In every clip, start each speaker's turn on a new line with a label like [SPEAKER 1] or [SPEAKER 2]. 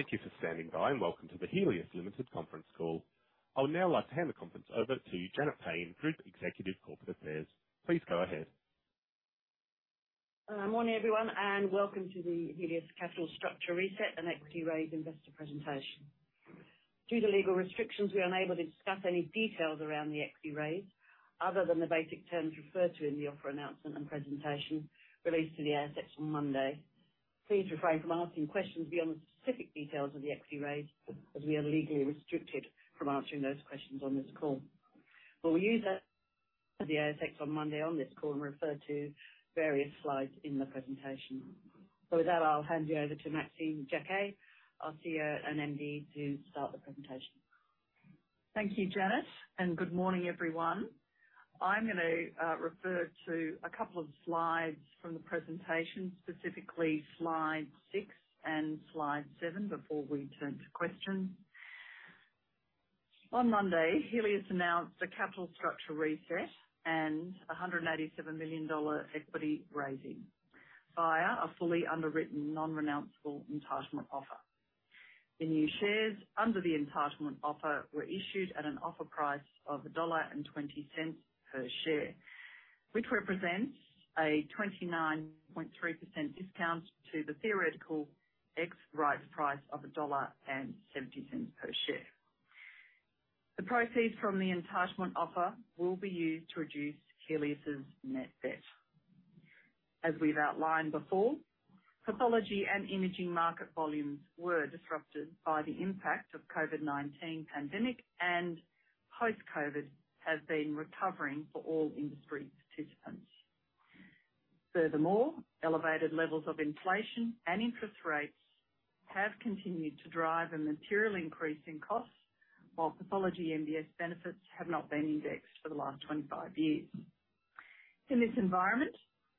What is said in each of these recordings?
[SPEAKER 1] Thank you for standing by, and welcome to the Healius Limited conference call. I would now like to hand the conference over to Janet Payne, Group Executive Corporate Affairs. Please go ahead.
[SPEAKER 2] Morning, everyone, and welcome to the Healius Capital Structure Reset and Equity Raise Investor Presentation. Due to legal restrictions, we are unable to discuss any details around the equity raise other than the basic terms referred to in the offer announcement and presentation released to the ASX on Monday. Please refrain from asking questions beyond the specific details of the equity raise, as we are legally restricted from answering those questions on this call. We'll use the ASX on Monday on this call, and refer to various slides in the presentation. With that, I'll hand you over to Maxine Jaquet, our CEO and MD, to start the presentation.
[SPEAKER 3] Thank you, Janet, and good morning, everyone. I'm gonna refer to a couple of slides from the presentation, specifically slide six and slide seven, before we turn to questions. On Monday, Healius announced a capital structure reset and $187 million equity raising via a fully underwritten, non-renounceable entitlement offer. The new shares under the entitlement offer were issued at an offer price of $1.20 per share, which represents a 29.3% discount to the theoretical ex-rights price of $1.70 per share. The proceeds from the entitlement offer will be used to reduce Healius' net debt. As we've outlined before, pathology and imaging market volumes were disrupted by the impact of COVID-19 pandemic, and post-COVID has been recovering for all industry participants. Furthermore, elevated levels of inflation and interest rates have continued to drive a material increase in costs, while pathology MBS benefits have not been indexed for the last 25 years. In this environment,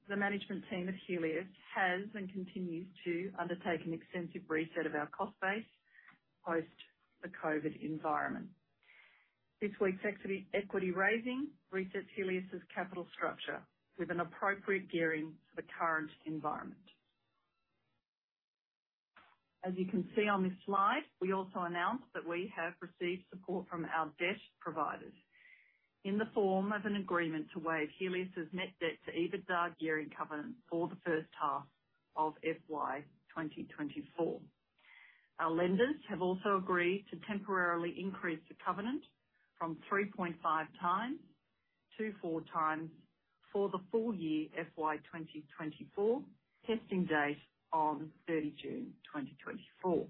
[SPEAKER 3] the management team at Healius has, and continues to, undertake an extensive reset of our cost base post the COVID environment. This week's equity raising resets Healius' capital structure with an appropriate gearing for the current environment. As you can see on this slide, we also announced that we have received support from our debt providers in the form of an agreement to waive Healius' Net Debt to EBITDA gearing covenant for the first half of FY 2024. Our lenders have also agreed to temporarily increase the covenant from 3.5x to 4x for the full year FY 2024, testing date on 30 June 2024.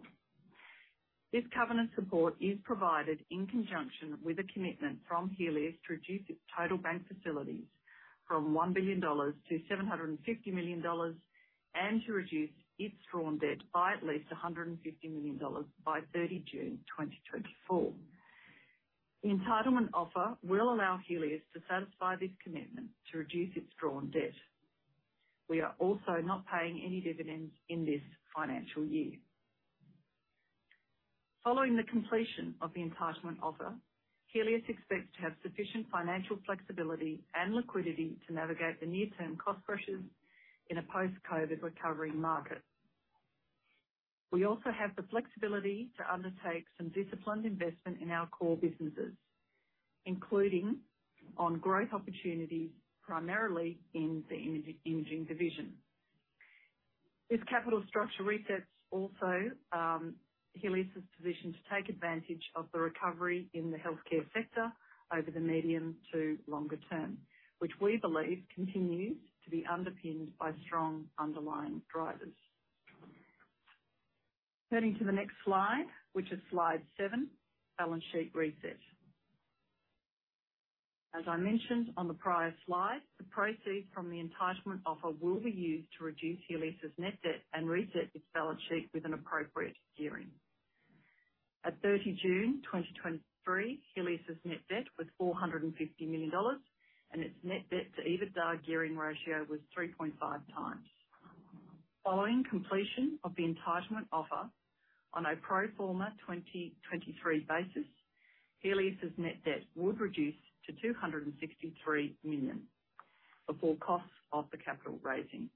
[SPEAKER 3] This covenant support is provided in conjunction with a commitment from Healius to reduce its total bank facilities from $1 billion to $750 million, and to reduce its drawn debt by at least $150 million by 30 June 2024. The entitlement offer will allow Healius to satisfy this commitment to reduce its drawn debt. We are also not paying any dividends in this financial year. Following the completion of the entitlement offer, Healius expects to have sufficient financial flexibility and liquidity to navigate the near-term cost pressures in a post-COVID recovery market. We also have the flexibility to undertake some disciplined investment in our core businesses, including on growth opportunities, primarily in the imaging division. This capital structure resets also Healius' position to take advantage of the recovery in the healthcare sector over the medium to longer term, which we believe continues to be underpinned by strong underlying drivers. Turning to the next slide, which is slide seven, balance sheet reset. As I mentioned on the prior slide, the proceeds from the entitlement offer will be used to reduce Healius' net debt and reset its balance sheet with an appropriate gearing. At 30 June 2023, Healius' net debt was $450 million, and its net debt to EBITDA gearing ratio was 3.5x. Following completion of the entitlement offer on a pro forma 2023 basis, Healius' net debt would reduce to $263 million, before costs of the capital raising,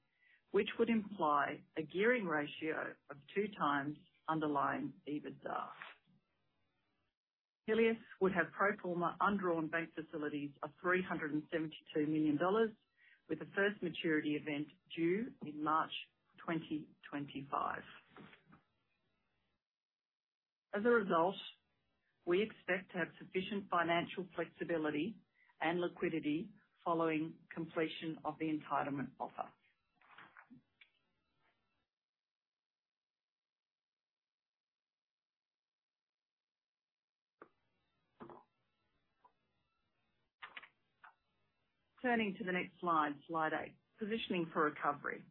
[SPEAKER 3] which would imply a gearing ratio of 2x underlying EBITDA. Healius would have pro forma undrawn bank facilities of $372 million, with the first maturity event due in March 2025. As a result, we expect to have sufficient financial flexibility and liquidity following completion of the entitlement offer. Turning to the next slide, slide eight, positioning for recovery.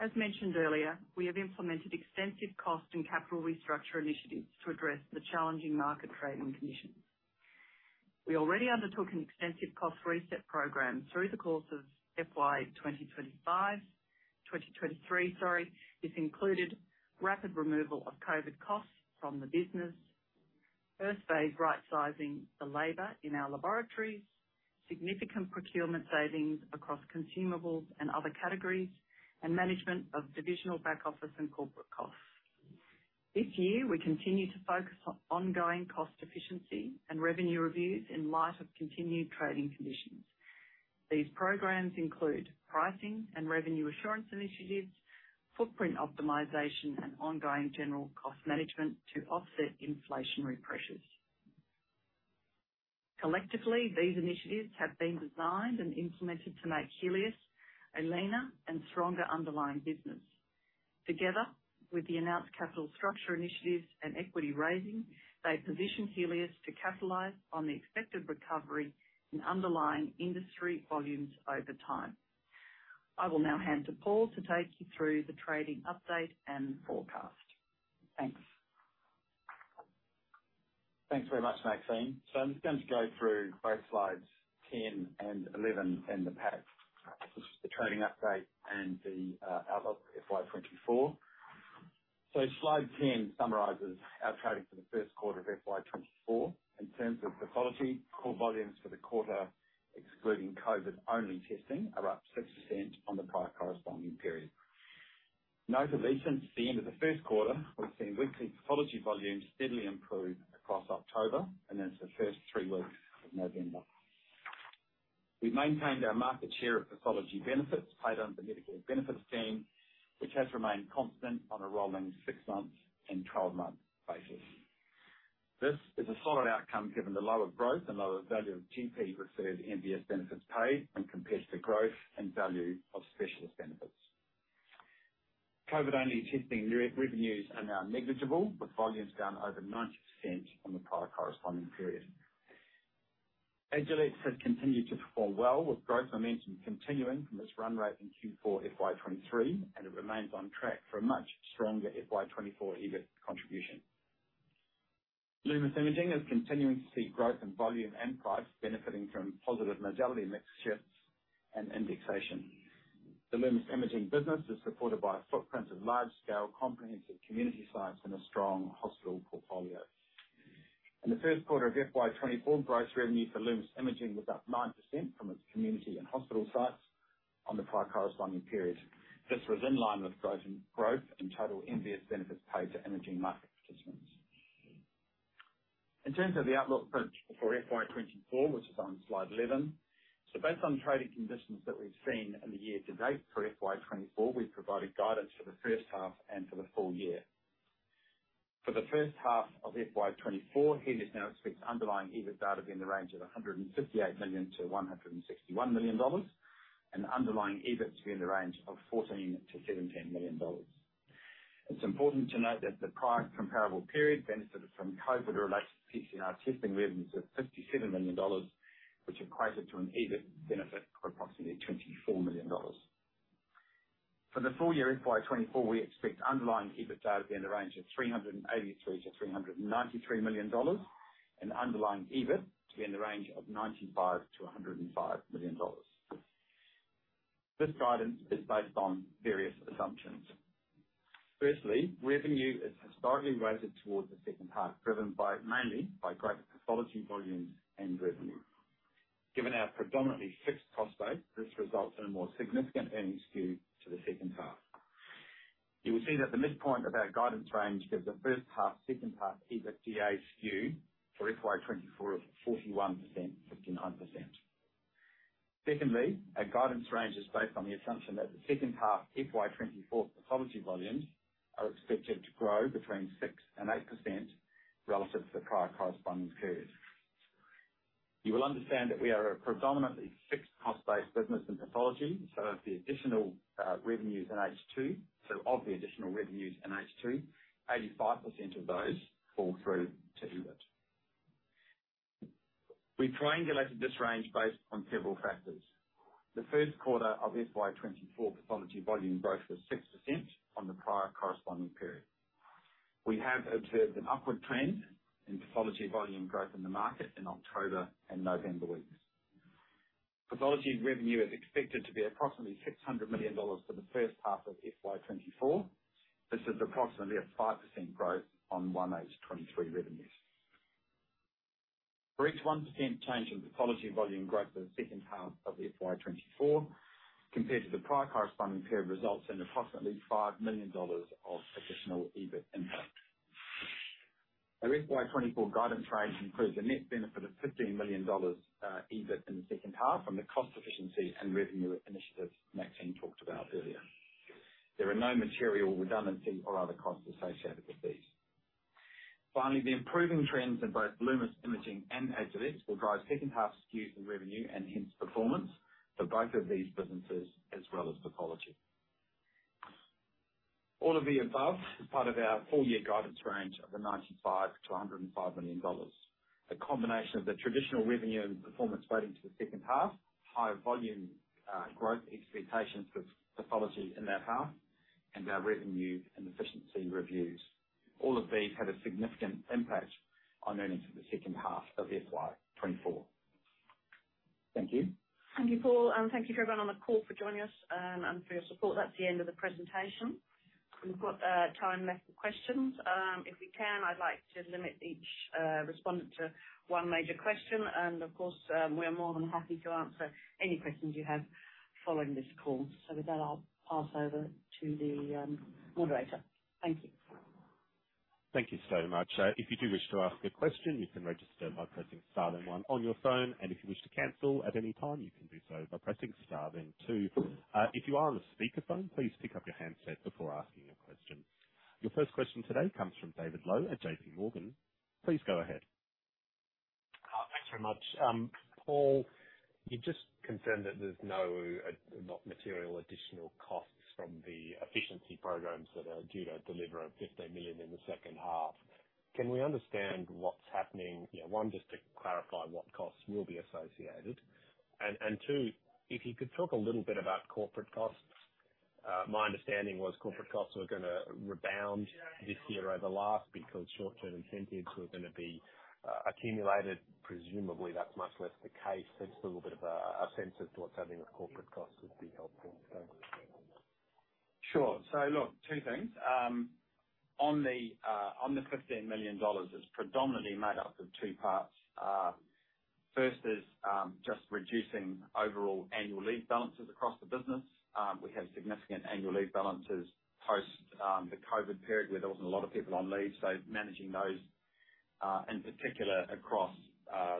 [SPEAKER 3] As mentioned earlier, we have implemented extensive cost and capital restructure initiatives to address the challenging market trading conditions. We already undertook an extensive cost reset program through the course of FY 2025... 2023, sorry. This included rapid removal of COVID costs from the business, first phase, right-sizing the labor in our laboratories, significant procurement savings across consumables and other categories, and management of divisional back office and corporate costs. This year, we continue to focus on ongoing cost efficiency and revenue reviews in light of continued trading conditions. These programs include pricing and revenue assurance initiatives, footprint optimization, and ongoing general cost management to offset inflationary pressures. Collectively, these initiatives have been designed and implemented to make Healius a leaner and stronger underlying business. Together, with the announced capital structure initiatives and equity raising, they position Healius to capitalize on the expected recovery in underlying industry volumes over time. I will now hand to Paul to take you through the trading update and forecast. Thanks.
[SPEAKER 4] Thanks very much, Maxine. So I'm just going to go through both slides 10 and 11 in the pack, which is the trading update and the outlook FY 2024. So slide 10 summarizes our trading for the first quarter of FY 2024. In terms of pathology, core volumes for the quarter, excluding COVID-only testing, are up 6% on the prior corresponding period. Notably, since the end of the first quarter, we've seen weekly pathology volumes steadily improve across October, and that's the first three weeks of November. We've maintained our market share of pathology benefits paid under the Medicare Benefits Scheme, which has remained constant on a rolling six-month and 12-month basis. This is a solid outcome given the lower growth and lower value of GP-received MBS benefits paid when compared to growth and value of specialist benefits. COVID-only testing revenues are now negligible, with volumes down over 90% on the prior corresponding period. Agilex has continued to perform well, with growth momentum continuing from its run rate in Q4 FY 2023, and it remains on track for a much stronger FY 2024 EBIT contribution. Lumus Imaging is continuing to see growth in volume and price, benefiting from positive modality mix shifts and indexation. The Lumus Imaging business is supported by a footprint of large-scale, comprehensive community sites and a strong hospital portfolio. In the first quarter of FY 2024, gross revenue for Lumus Imaging was up 9% from its community and hospital sites on the prior corresponding period. This was in line with growth and growth and total MBS benefits paid to imaging market participants. In terms of the outlook for FY 2024, which is on slide 11. So based on trading conditions that we've seen in the year to date for FY 2024, we've provided guidance for the first half and for the full year. For the first half of FY 2024, Healius now expects underlying EBITDA to be in the range of $158 million-$161 million, and underlying EBIT to be in the range of $14 million-$17 million. It's important to note that the prior comparable period benefited from COVID-related PCR testing revenues of$57 million, which equated to an EBIT benefit of approximately $24 million. For the full year FY 2024, we expect underlying EBITDA to be in the range of $383 million-$393 million, and underlying EBIT to be in the range of$95 million-$105 million. This guidance is based on various assumptions. Firstly, revenue is historically weighted towards the second half, driven by, mainly by greater pathology volumes and revenue. Given our predominantly fixed cost base, this results in a more significant earnings skew to the second half. You will see that the midpoint of our guidance range gives a first half, second half, EBITDA skew for FY 2024 of 41%, 59%. Secondly, our guidance range is based on the assumption that the second half FY 2024 pathology volumes are expected to grow between 6% and 8% relative to the prior corresponding period. You will understand that we are a predominantly fixed cost base business in pathology, so if the additional, revenues in H2, so of the additional revenues in H2, 85% of those fall through to EBIT. We triangulated this range based on several factors. The first quarter of FY 2024 pathology volume growth was 6% on the prior corresponding period. We have observed an upward trend in pathology volume growth in the market in October and November weeks. Pathology revenue is expected to be approximately $600 million for the first half of FY 2024. This is approximately a 5% growth on 1H 2023 revenues. For each 1% change in pathology volume growth in the second half of FY 2024 compared to the prior corresponding period, results in approximately $5 million of additional EBIT impact. Our FY 2024 guidance range includes a net benefit of $15 million EBIT in the second half from the cost efficiency and revenue initiatives Maxine talked about earlier. There are no material redundancy or other costs associated with these. Finally, the improving trends in both Lumus Imaging and Agilex Biolabs will drive second half skews in revenue and hence performance for both of these businesses, as well as pathology. All of the above is part of our full year guidance range of $95 million-$105 million. A combination of the traditional revenue and performance weighting to the second half, higher volume, growth expectations for pathology in that half, and our revenue and efficiency reviews. All of these have a significant impact on earnings for the second half of FY 2024.... Thank you.
[SPEAKER 2] Thank you, Paul, and thank you to everyone on the call for joining us and for your support. That's the end of the presentation. We've got time left for questions. If we can, I'd like to limit each respondent to one major question and of course, we are more than happy to answer any questions you have following this call. So with that, I'll pass over to the moderator. Thank you.
[SPEAKER 1] Thank you so much. If you do wish to ask a question, you can register by pressing star then one on your phone, and if you wish to cancel at any time, you can do so by pressing star then two. If you are on a speakerphone, please pick up your handset before asking a question. Your first question today comes from David Lowe at J.P. Morgan. Please go ahead.
[SPEAKER 5] Thanks very much. Paul, you just confirmed that there's no not material additional costs from the efficiency programs that are due to deliver of $15 million in the second half. Can we understand what's happening? You know, one, just to clarify what costs will be associated, and two, if you could talk a little bit about corporate costs. My understanding was corporate costs were gonna rebound this year over last because short-term incentives were gonna be accumulated. Presumably, that's much less the case. Just a little bit of a sense as to what's happening with corporate costs would be helpful. Thank you.
[SPEAKER 4] Sure. So look, two things. On the fifteen million dollars, it's predominantly made up of two parts. First is just reducing overall annual leave balances across the business. We had significant annual leave balances post the COVID period, where there wasn't a lot of people on leave, so managing those in particular across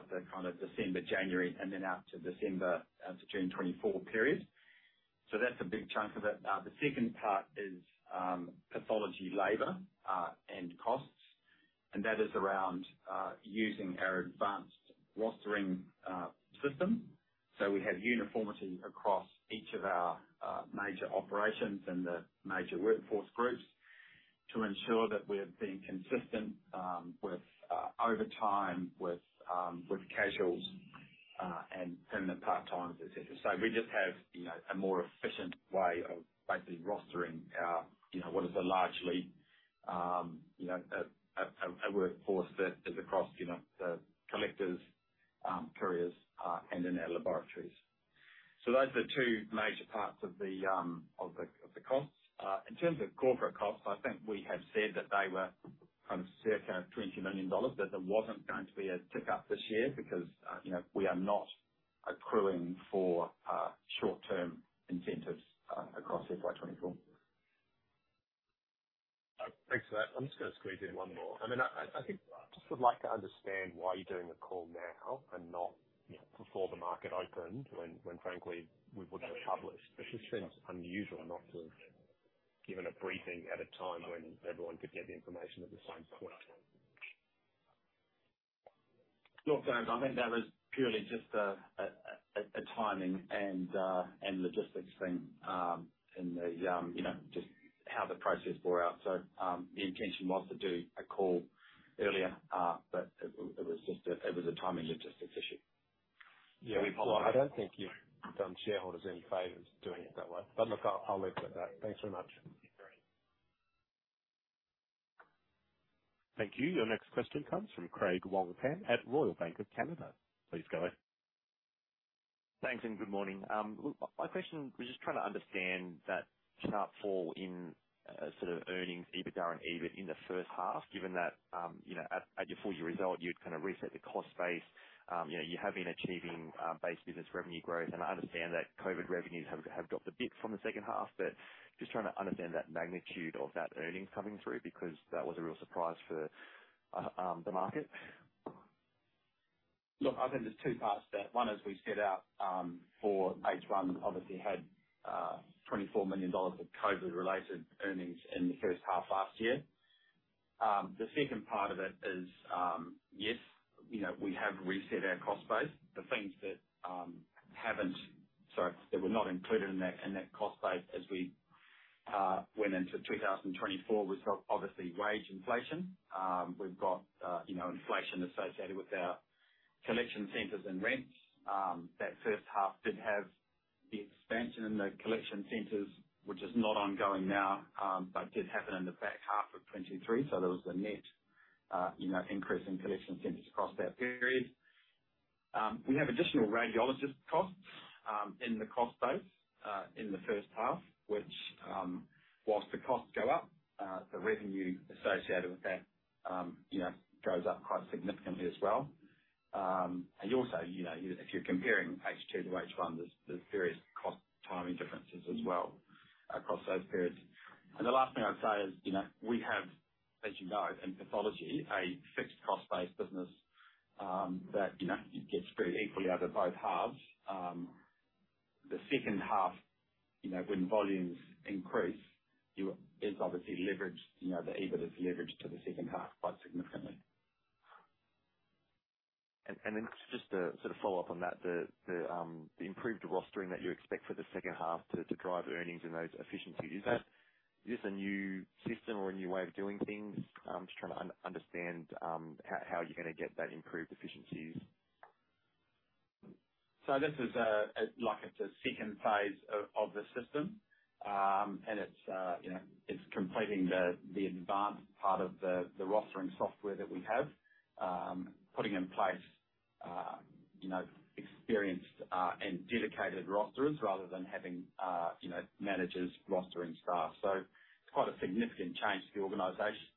[SPEAKER 4] the kind of December, January, and then out to December to June 2024 period. So that's a big chunk of it. The second part is pathology labor and costs, and that is around using our advanced rostering system. So we have uniformity across each of our major operations and the major workforce groups to ensure that we're being consistent with overtime, with casuals, and the part-times, et cetera. So we just have, you know, a more efficient way of basically rostering our, you know, what is a largely, you know, a workforce that is across, you know, the collectors, couriers, and then our laboratories. So those are the two major parts of the costs. In terms of corporate costs, I think we have said that they were kind of circa $20 million, that there wasn't going to be a tick up this year because, you know, we are not accruing for short-term incentives across FY 2024.
[SPEAKER 5] Thanks for that. I'm just gonna squeeze in one more. I mean, I think just would like to understand why you're doing the call now and not, you know, before the market opened, when, when frankly, we would have published. It just seems unusual not to have given a briefing at a time when everyone could get the information at the same point.
[SPEAKER 4] Look, James, I think that was purely just a timing and logistics thing, in the, you know, just how the process bore out. So, the intention was to do a call earlier, but it was just a timing logistics issue.
[SPEAKER 5] Yeah. I don't think you've done shareholders any favors doing it that way. But look, I'll, I'll leave it at that. Thanks so much.
[SPEAKER 1] Thank you. Your next question comes from Craig Wong-Pan at Royal Bank of Canada. Please go ahead.
[SPEAKER 6] Thanks, and good morning. My question was just trying to understand that sharp fall in sort of earnings, EBITDA and EBIT, in the first half, given that you know, at your full year result, you'd kind of reset the cost base. You know, you have been achieving base business revenue growth, and I understand that COVID revenues have dropped a bit from the second half, but just trying to understand that magnitude of that earnings coming through, because that was a real surprise for the market.
[SPEAKER 4] Look, I think there's two parts to that. One, as we set out, for H1, obviously had $24 million of COVID-related earnings in the first half last year. The second part of it is, yes, you know, we have reset our cost base. The things that were not included in that cost base as we went into 2024 was obviously wage inflation. We've got, you know, inflation associated with our collection centers and rents. That first half did have the expansion in the collection centers, which is not ongoing now, but did happen in the back half of 2023. So there was a net, you know, increase in collection centers across that period. We have additional radiologist costs in the cost base in the first half, which, while the costs go up, the revenue associated with that, you know, goes up quite significantly as well. And also, you know, if you're comparing H2 to H1, there's various cost timing differences as well across those periods. And the last thing I'd say is, you know, we have, as you know, in pathology, a fixed cost-based business that, you know, gets spread equally over both halves. The second half, you know, when volumes increase, it's obviously leveraged, you know, the EBIT is leveraged to the second half quite significantly.
[SPEAKER 6] Then just to sort of follow up on that, the improved rostering that you expect for the second half to drive earnings and those efficiencies, is that just a new system or a new way of doing things? I'm just trying to understand how you're gonna get that improved efficiencies.
[SPEAKER 4] So this is like it's a second phase of the system. And it's you know it's completing the advanced part of the rostering software that we have. Putting in place you know experienced and dedicated rosterers rather than having you know managers rostering staff. So it's quite a significant change to the organization.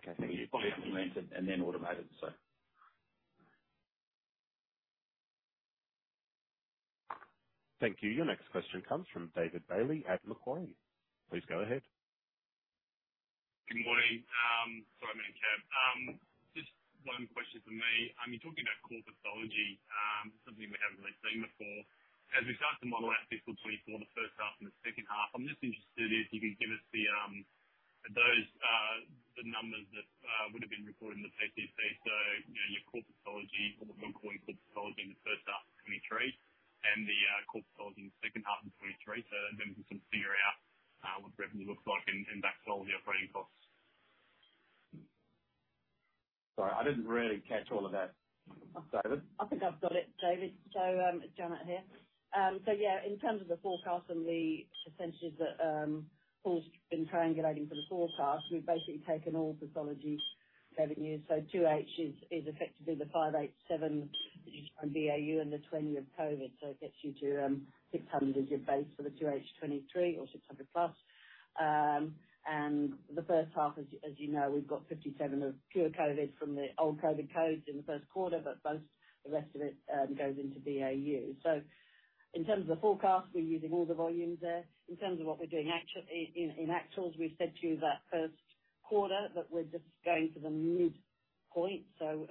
[SPEAKER 6] Okay, thank you.
[SPEAKER 4] Fully implemented and then automated, so.
[SPEAKER 1] Thank you. Your next question comes from David Bailey at Macquarie. Please go ahead.
[SPEAKER 7] Good morning. Sorry I'm in a cab. Just one question from me. I mean, talking about core pathology, something we haven't really seen before. As we start to model out fiscal 2024, the first half and the second half, I'm just interested if you can give us the, those, the numbers that would have been recorded in the PCP. So, you know, your core pathology, or what we're calling core pathology, in the first half of 2023, and the core pathology in the second half of 2023. So then we can sort of figure out what revenue looks like and backfill the operating costs.
[SPEAKER 4] Sorry, I didn't really catch all of that, David.
[SPEAKER 2] I think I've got it, David. So, it's Janet here. So yeah, in terms of the forecast and the percentages that Paul's been triangulating for the forecast, we've basically taken all pathology revenues. So 2H is effectively the 587 BAU and the 20 of COVID. So it gets you to 600 as your base for the 2H 2023, or 600+. And the first half, as you know, we've got 57 of fewer COVID from the old COVID codes in the first quarter, but most of the rest of it goes into BAU. So in terms of the forecast, we're using all the volumes there. In terms of what we're doing in actuals, we've said to you that first quarter, but we're just going for the midpoint. So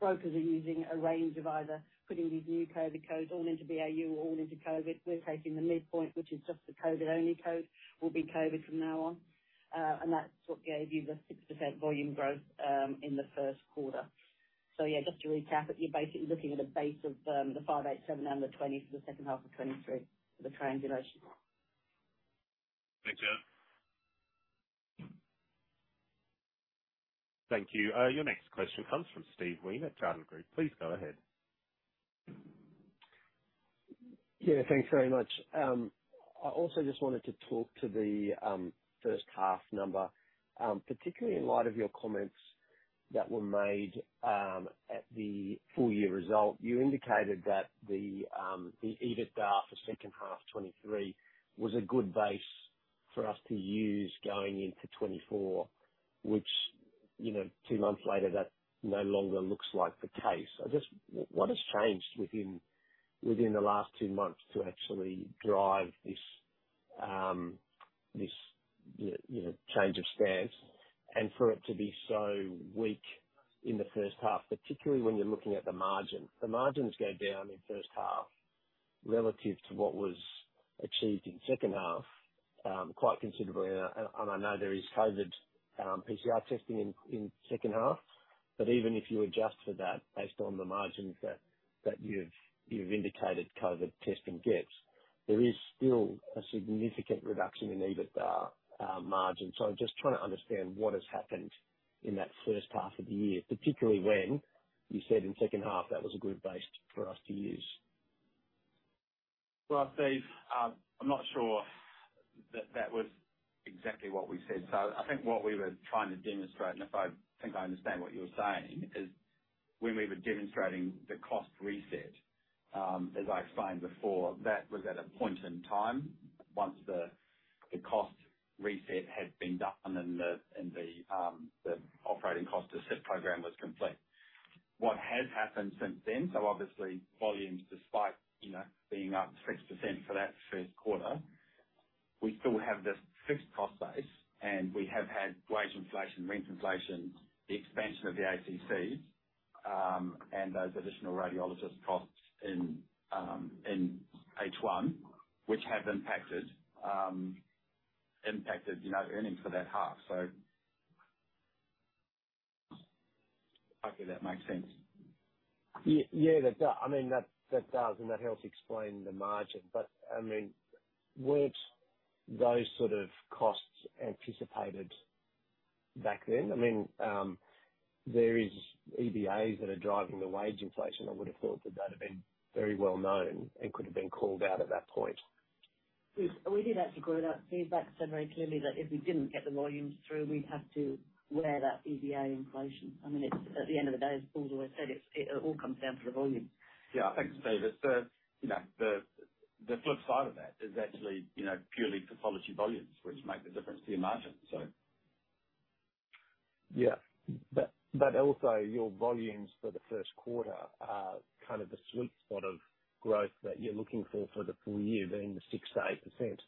[SPEAKER 2] brokers are using a range of either putting these new COVID codes all into BAU or all into COVID. We're taking the midpoint, which is just the COVID-only code, will be COVID from now on. And that's what gave you the 6% volume growth in the first quarter. So yeah, just to recap, that you're basically looking at a base of the 587 and the 20 for the second half of 2023 for the triangulation.
[SPEAKER 7] Thanks, Janet.
[SPEAKER 1] Thank you. Your next question comes from Steve Wheen at Jarden Group. Please go ahead.
[SPEAKER 8] Yeah, thanks very much. I also just wanted to talk to the first half number, particularly in light of your comments that were made at the full year result. You indicated that the EBITDA for second half 2023 was a good base for us to use going into 2024, which, you know, two months later, that no longer looks like the case. I just, what has changed within the last two months to actually drive this, you know, change of stance, and for it to be so weak in the first half, particularly when you're looking at the margin? The margins go down in first half relative to what was achieved in second half quite considerably. And I know there is COVID PCR testing in second half, but even if you adjust for that based on the margins that you've indicated COVID testing gets, there is still a significant reduction in EBITDA margin. So I'm just trying to understand what has happened in that first half of the year, particularly when you said in second half, that was a good base for us to use.
[SPEAKER 4] Well, Steve, I'm not sure that that was exactly what we said. So I think what we were trying to demonstrate, and if I think I understand what you're saying, is when we were demonstrating the cost reset, as I explained before, that was at a point in time once the cost reset had been done and the operating cost asset program was complete. What has happened since then, so obviously volumes, despite, you know, being up 6% for that first quarter, we still have this fixed cost base, and we have had wage inflation, rent inflation, the expansion of the ACC, and those additional radiologist costs in H1, which have impacted, you know, earnings for that half. Hopefully that makes sense.
[SPEAKER 8] Yeah, yeah, that—I mean, that, that does, and that helps explain the margin. But, I mean, weren't those sort of costs anticipated back then? I mean, there are EBAs that are driving the wage inflation. I would have thought that that had been very well known and could have been called out at that point.
[SPEAKER 3] We did actually grown up. Steve, that said very clearly that if we didn't get the volumes through, we'd have to wear that EBA inflation. I mean, it's, at the end of the day, as Paul's always said, it's, it all comes down to the volume.
[SPEAKER 4] Yeah. Thanks, Steve. It's the, you know, the flip side of that is actually, you know, purely pathology volumes, which make the difference to your margin, so.
[SPEAKER 8] Yeah. But, but also, your volumes for the first quarter are kind of the sweet spot of growth that you're looking for for the full year, they're in the 6%-8%.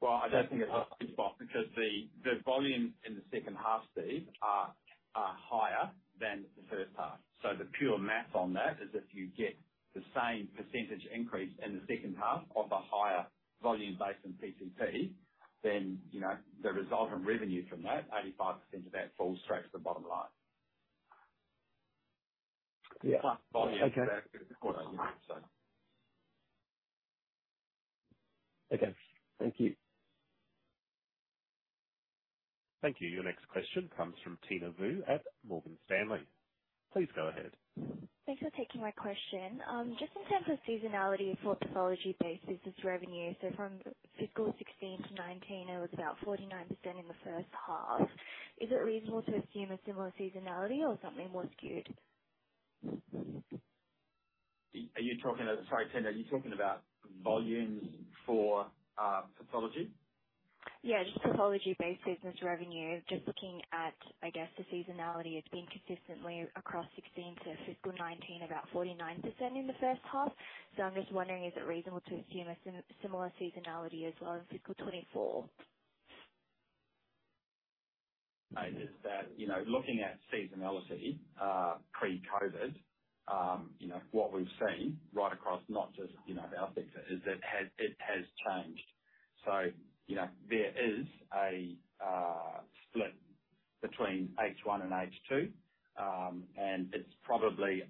[SPEAKER 4] Well, I don't think it's a sweet spot because the volume in the second half, Steve, are higher than the first half. So the pure math on that is if you get the same percentage increase in the second half of a higher volume base in PCP, then, you know, the result in revenue from that, 85% of that falls straight to the bottom line.
[SPEAKER 8] Yeah. Okay.
[SPEAKER 4] volume-
[SPEAKER 8] Okay. Thank you....
[SPEAKER 1] Thank you. Your next question comes from Tina Vu at Morgan Stanley. Please go ahead.
[SPEAKER 9] Thanks for taking my question. Just in terms of seasonality for pathology-based business revenue, so from fiscal 2016 to 2019, it was about 49% in the first half. Is it reasonable to assume a similar seasonality or something more skewed?
[SPEAKER 4] Are you talking about- Sorry, Tina, are you talking about volumes for pathology?
[SPEAKER 9] Yeah, just pathology-based business revenue. Just looking at, I guess, the seasonality, it's been consistently across 2016 to fiscal 2019, about 49% in the first half. So I'm just wondering, is it reasonable to assume a similar seasonality as well in fiscal 2024?
[SPEAKER 4] I just that, you know, looking at seasonality, pre-COVID, you know, what we've seen right across, not just, you know, our sector, is that it has changed. So, you know, there is a split between H1 and H2, and it's probably,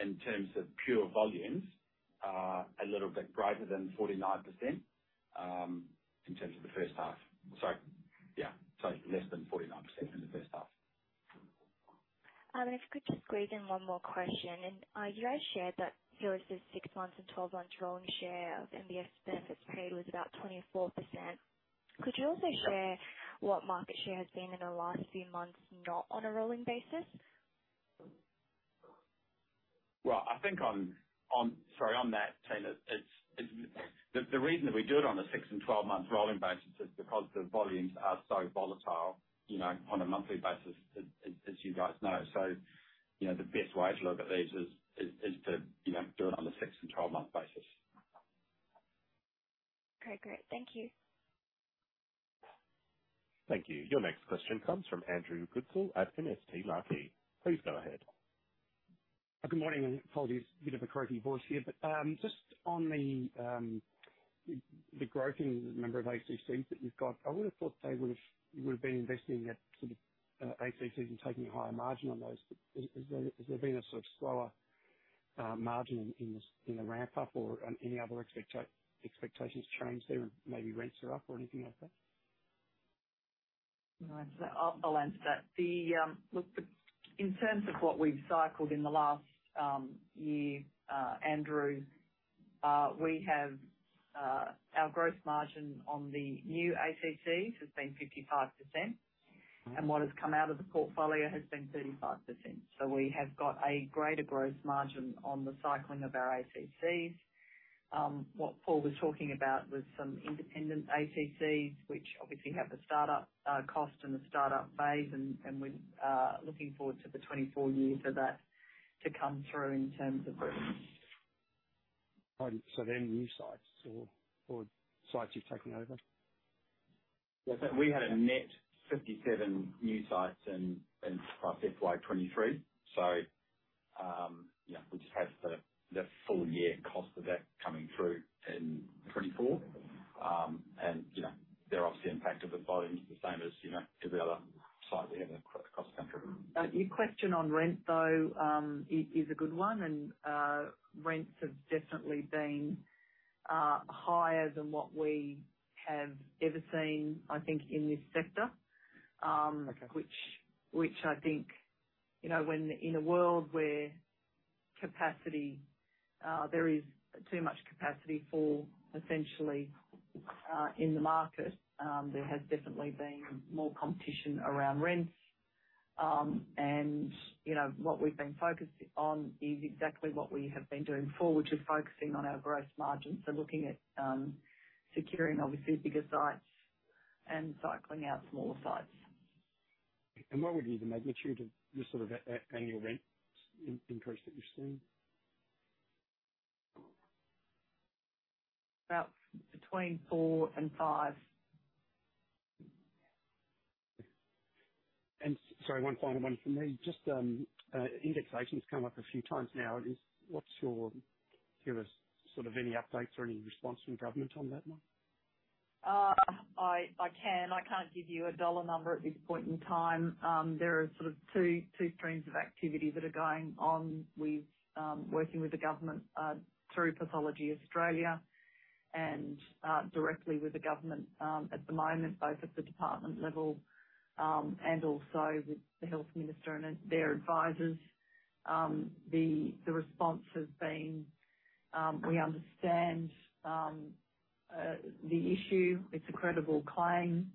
[SPEAKER 4] in terms of pure volumes, a little bit greater than 49%, in terms of the first half. Sorry. Yeah, sorry, less than 49% in the first half.
[SPEAKER 9] And if you could just squeeze in one more question, and, you guys shared that your six months and twelve months rolling share of MBS benefits paid was about 24%. Could you also share what market share has been in the last few months, not on a rolling basis?
[SPEAKER 4] Well, I think on that, Tina, it's the reason that we do it on a six and 12-month rolling basis is because the volumes are so volatile, you know, on a monthly basis, as you guys know. So, you know, the best way to look at these is to, you know, do it on a six and 12-month basis.
[SPEAKER 9] Okay, great. Thank you.
[SPEAKER 1] Thank you. Your next question comes from Andrew Goodsall at MST Marquee. Please go ahead.
[SPEAKER 10] Good morning, and apologies, bit of a croaky voice here. But, just on the growing number of ACCs that you've got, I would have thought they would have been investing in that sort of ACCs and taking a higher margin on those. Is there, has there been a sort of slower margin in the ramp-up or any other expectations changed there, maybe rents are up or anything like that?
[SPEAKER 3] No, I'll answer that. In terms of what we've cycled in the last year, Andrew, we have our gross margin on the new ACCs has been 55%, and what has come out of the portfolio has been 35%. So we have got a greater gross margin on the cycling of our ACCs. What Paul was talking about was some independent ACCs, which obviously have the startup cost and the startup phase, and we're looking forward to the 24 years of that to come through in terms of the.
[SPEAKER 10] Right. So they're new sites or, or sites you've taken over?
[SPEAKER 4] Yeah, so we had a net 57 new sites in across FY 2023. So, yeah, we just have the full year cost of that coming through in 2024. And, you know, they're obviously impacted with volumes the same as, you know, to the other sites we have across the country.
[SPEAKER 3] Your question on rent, though, is a good one, and rents have definitely been higher than what we have ever seen, I think, in this sector.
[SPEAKER 10] Okay.
[SPEAKER 3] which I think, you know, when in a world where capacity there is too much capacity for essentially in the market, there has definitely been more competition around rents. And, you know, what we've been focused on is exactly what we have been doing before, which is focusing on our gross margins. So looking at securing obviously bigger sites and cycling out smaller sites.
[SPEAKER 10] What would be the magnitude of the sort of annual rent increase that you're seeing?
[SPEAKER 3] About between four and five.
[SPEAKER 10] Sorry, one final one from me. Just, indexation's come up a few times now. What's your... Give us sort of any updates or any response from government on that one?
[SPEAKER 3] I can. I can't give you a dollar number at this point in time. There are sort of two streams of activity that are going on with working with the government through Pathology Australia and directly with the government at the moment, both at the department level and also with the health minister and their advisors. The response has been: "We understand the issue. It's a credible claim,"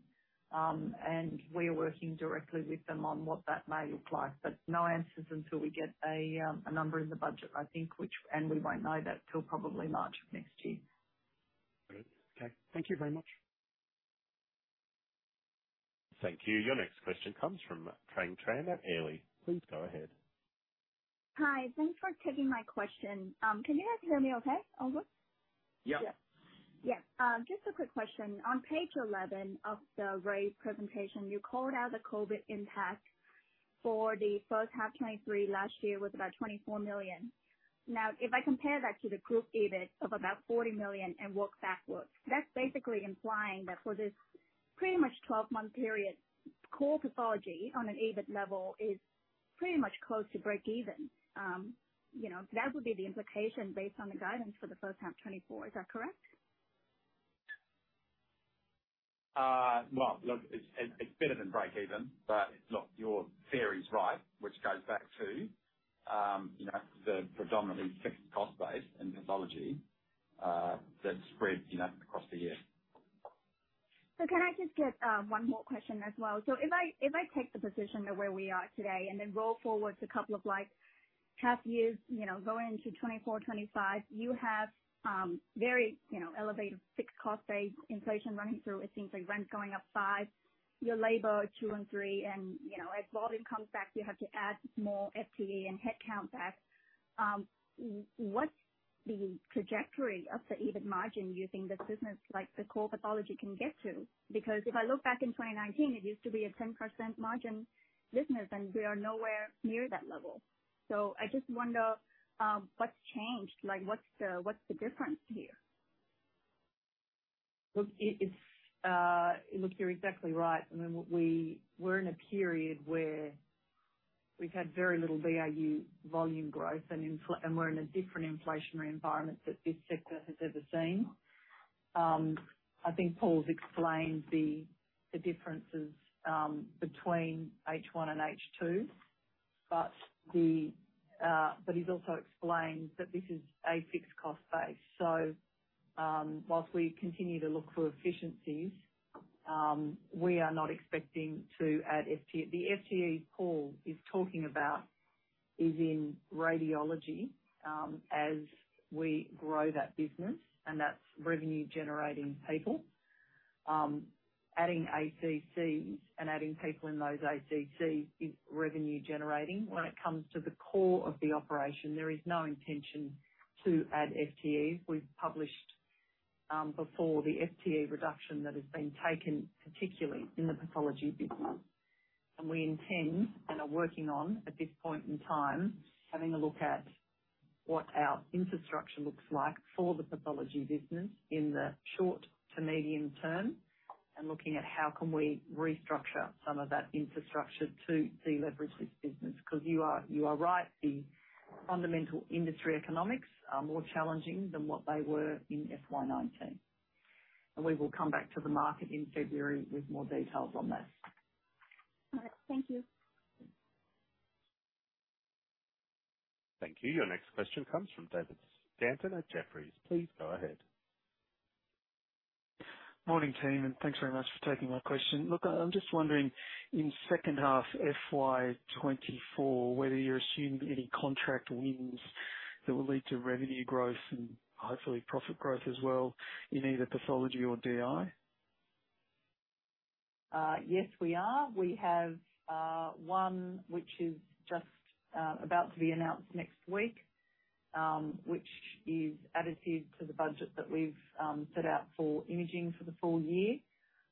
[SPEAKER 3] and we're working directly with them on what that may look like, but no answers until we get a number in the budget, I think, and we won't know that till probably March of next year.
[SPEAKER 10] Great. Okay, thank you very much.
[SPEAKER 1] Thank you. Your next question comes from Trang Tran at Airlie. Please go ahead.
[SPEAKER 11] Hi, thanks for taking my question. Can you guys hear me okay, over?
[SPEAKER 1] Yeah.
[SPEAKER 3] Yes.
[SPEAKER 11] Yeah. Just a quick question. On page 11 of the great presentation, you called out the COVID impact for the first half 2023 last year was about 24 million. Now, if I compare that to the group EBIT of about $40 million and work backwards, that's basically implying that for this pretty much 12-month period, core pathology on an EBIT level is pretty much close to breakeven. You know, that would be the implication based on the guidance for the first half 2024. Is that correct?...
[SPEAKER 4] Well, look, it's better than breakeven, but look, your theory's right, which goes back to, you know, the predominantly fixed cost base in pathology that's spread, you know, across the year.
[SPEAKER 11] So can I just get one more question as well? So if I, if I take the position of where we are today and then roll forward to a couple of, like, half years, you know, going into 2024, 2025, you have, very, you know, elevated fixed cost base inflation running through with things like rents going up five, your labor two and three, and, you know, as volume comes back, you have to add more FTE and headcount back. What's the trajectory of the EBIT margin you think this business, like the core pathology, can get to? Because if I look back in 2019, it used to be a 10% margin business, and we are nowhere near that level. So I just wonder, what's changed? Like, what's the, what's the difference here?
[SPEAKER 3] Look, you're exactly right. I mean, we're in a period where we've had very little BAU volume growth, and we're in a different inflationary environment that this sector has ever seen. I think Paul's explained the differences between H1 and H2, but he's also explained that this is a fixed cost base. So, while we continue to look for efficiencies, we are not expecting to add the FTE Paul is talking about is in radiology, as we grow that business, and that's revenue generating people. Adding ACC and adding people in those ACC is revenue generating. When it comes to the core of the operation, there is no intention to add FTEs. We've published before the FTE reduction that has been taken, particularly in the pathology business, and we intend, and are working on, at this point in time, having a look at what our infrastructure looks like for the pathology business in the short to medium term, and looking at how can we restructure some of that infrastructure to deleverage this business. Because you are, you are right, the fundamental industry economics are more challenging than what they were in FY 2019. We will come back to the market in February with more details on that.
[SPEAKER 11] All right. Thank you.
[SPEAKER 1] Thank you. Your next question comes from David Stanton at Jefferies. Please go ahead.
[SPEAKER 12] Morning, team, and thanks very much for taking my question. Look, I'm just wondering, in second half FY 2024, whether you're assuming any contract wins that will lead to revenue growth and hopefully profit growth as well in either pathology or DI?
[SPEAKER 3] Yes, we are. We have one which is just about to be announced next week, which is additive to the budget that we've set out for imaging for the full year,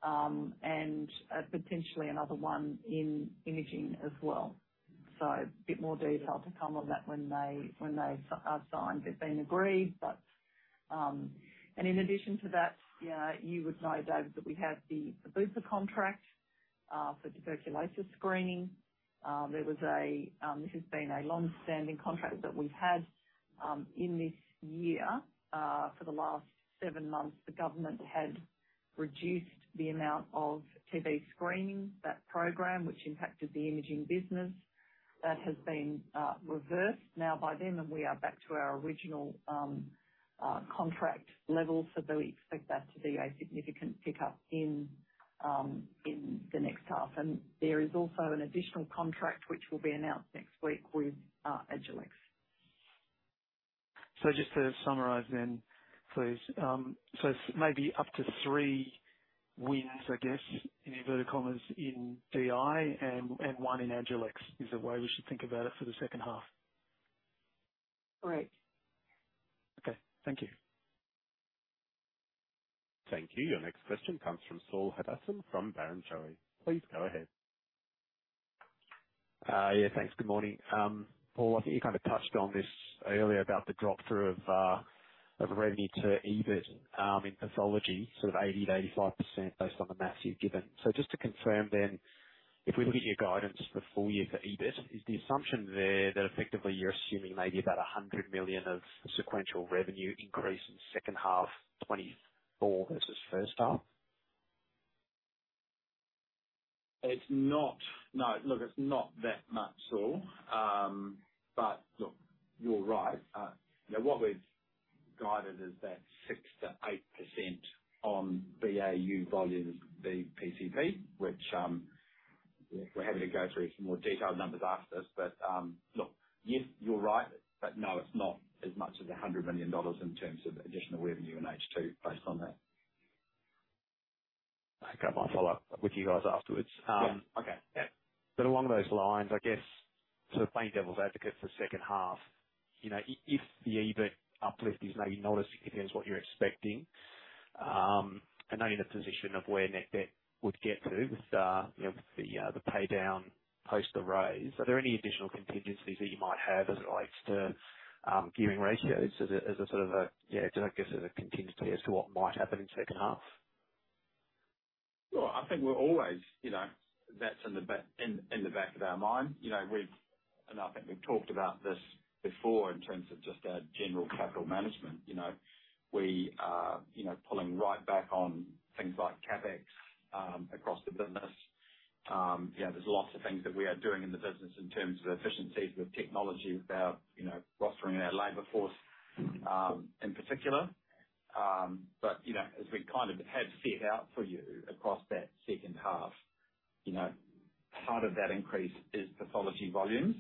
[SPEAKER 3] and potentially another one in imaging as well. So a bit more detail to come on that when they are signed. They've been agreed, but... And in addition to that, you would know, David, that we have the Bupa contract for tuberculosis screening. There was a, this has been a long-standing contract that we've had in this year. For the last seven months, the government had reduced the amount of TB screening, that program, which impacted the imaging business. That has been reversed now by them, and we are back to our original contract level. So we expect that to be a significant pickup in the next half. There is also an additional contract, which will be announced next week with Agilex.
[SPEAKER 12] So just to summarize then, please, so maybe up to three wins, I guess, in inverted commas in DI and, and one in Agilex, is the way we should think about it for the second half?
[SPEAKER 3] Correct.
[SPEAKER 12] Okay. Thank you.
[SPEAKER 1] Thank you. Your next question comes from Saul Hadassin from Barrenjoey. Please go ahead.
[SPEAKER 13] Yeah, thanks. Good morning. Paul, I think you kind of touched on this earlier about the drop through of revenue to EBIT in pathology, sort of 80%-85% based on the math you've given. So just to confirm then, if we look at your guidance for full year for EBIT, is the assumption there that effectively you're assuming maybe about 100 million of sequential revenue increase in second half 2024 versus first half?
[SPEAKER 4] It's not. No, look, it's not that much, Saul. But look, you're right. Now, what we've guided is that 6%-8% on BAU volume be PCP, which, we're happy to go through some more detailed numbers after this. But, look, yes, you're right, but no, it's not as much as 100 million dollars in terms of additional revenue in H2 based on that.
[SPEAKER 13] I've got my follow-up with you guys afterwards.
[SPEAKER 4] Yeah.
[SPEAKER 13] Okay, yeah. But along those lines, I guess, sort of playing devil's advocate for the second half, you know, if the EBIT uplift is maybe not as significant as what you're expecting, and knowing the position of where net debt would get to with, you know, the pay down post the raise, are there any additional contingencies that you might have as it relates to gearing ratios as a sort of, yeah, I guess, contingency as to what might happen in second half? ...
[SPEAKER 4] Well, I think we're always, you know, that's in the back of our mind. You know, we've and I think we've talked about this before in terms of just our general capital management, you know. We are, you know, pulling right back on things like CapEx across the business. Yeah, there's lots of things that we are doing in the business in terms of efficiencies with technology, with our, you know, rostering our labor force, in particular. But, you know, as we kind of have set out for you across that second half, you know, part of that increase is pathology volumes,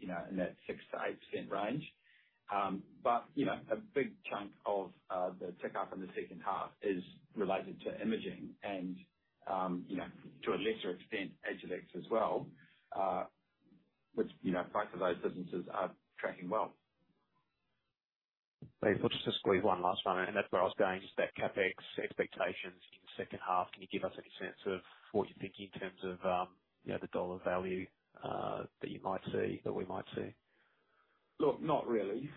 [SPEAKER 4] you know, in that 6%-8% range. You know, a big chunk of the tick up in the second half is related to imaging and, you know, to a lesser extent, Agilex as well, which, you know, both of those businesses are tracking well.
[SPEAKER 13] Dave, I'll just squeeze one last one in, and that's where I was going, just that CapEx expectations in the second half. Can you give us any sense of what you're thinking in terms of, you know, the dollar value, that you might see, that we might see?
[SPEAKER 4] Look, not really.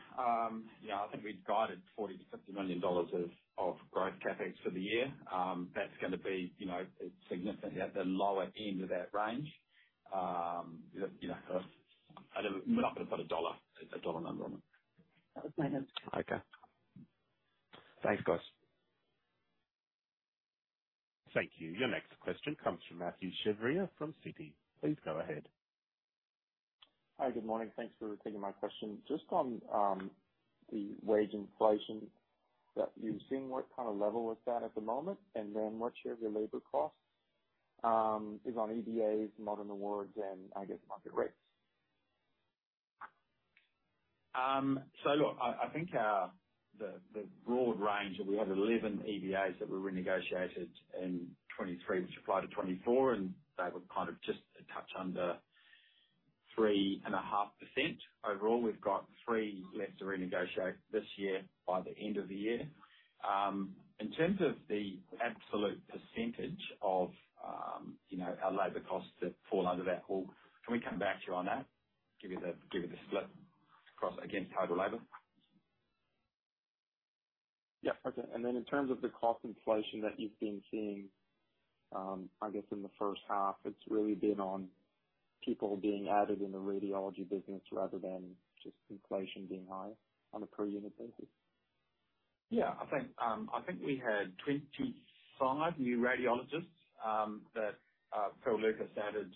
[SPEAKER 4] Yeah, I think we've guided $40 million-$50 million of growth CapEx for the year. That's going to be, you know, significantly at the lower end of that range. You know, I'm not going to put a dollar number on it.
[SPEAKER 13] Okay. Thanks, guys.
[SPEAKER 1] Thank you. Your next question comes from Mathieu Chevrier from Citi. Please go ahead.
[SPEAKER 14] Hi, good morning. Thanks for taking my question. Just on, the wage inflation that you've seen, what kind of level is that at the moment? And then what share of your labor cost, is on EBAs, modern awards, and I guess market rates?
[SPEAKER 4] So look, I think the broad range that we had, 11 EBAs that were renegotiated in 2023, which applied to 2024, and they were kind of just a touch under 3.5%. Overall, we've got 3 left to renegotiate this year by the end of the year. In terms of the absolute percentage of, you know, our labor costs that fall under that pool, can we come back to you on that? Give you the split across against total labor.
[SPEAKER 14] Yeah. Okay. And then in terms of the cost inflation that you've been seeing, I guess in the first half, it's really been on people being added in the radiology business rather than just inflation being high on a per unit basis.
[SPEAKER 4] Yeah, I think, I think we had 25 new radiologists, that Phil Lucas added,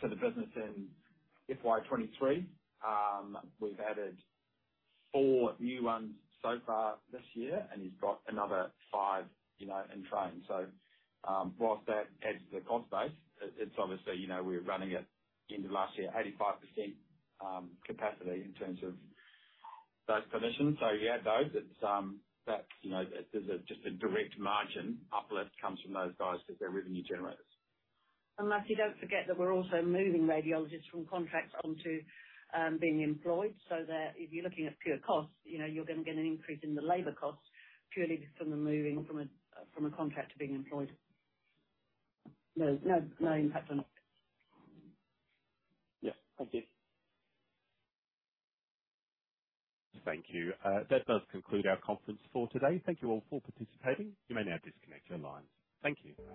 [SPEAKER 4] to the business in FY 2023. We've added four new ones so far this year, and he's got another five, you know, in train. So, whilst that adds to the cost base, it, it's obviously, you know, we're running at, end of last year, 85% capacity in terms of those permissions. So yeah, Dave, it's, that's, you know, there's a, just a direct margin uplift comes from those guys because they're revenue generators.
[SPEAKER 3] And Matthew, don't forget that we're also moving radiologists from contracts onto being employed. So there, if you're looking at pure cost, you know, you're going to get an increase in the labor costs purely just from the moving from a contract to being employed. There's no impact on it.
[SPEAKER 14] Yeah. Thank you.
[SPEAKER 1] Thank you. That does conclude our conference for today. Thank you all for participating. You may now disconnect your lines. Thank you.